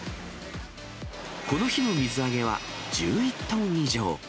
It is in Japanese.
この日の水揚げは、１１トン以上。